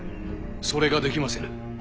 それができませぬ。